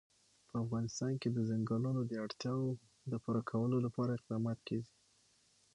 په افغانستان کې د چنګلونه د اړتیاوو پوره کولو لپاره اقدامات کېږي.